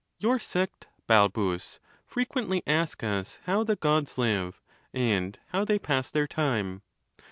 Your sect, Balbus, frequently ask us how the Gods live, and how they pass their time